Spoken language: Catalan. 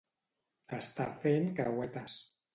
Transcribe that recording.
Estar fent creuetes.